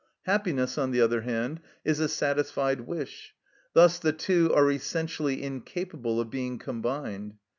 Happiness, on the other hand, is a satisfied wish; thus the two are essentially incapable of being combined.